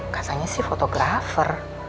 katanya sih fotografer